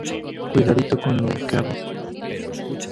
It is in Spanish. cuidadito con lo que hablas